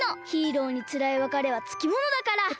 ヒーローにつらいわかれはつきものだから。